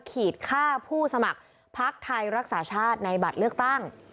ขีดค่าผู้สมัครพักไทยรักษาชาติในบัตรเลือกตั้ง